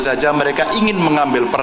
saya kurang dengar